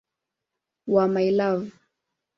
wa "My Love".